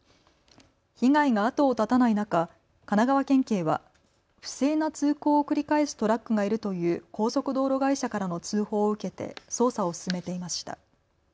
被害が後を絶たない中、神奈川県警は不正な通行を繰り返すトラックがいるという高速道路会社からの通報を受けて捜査を進めていました。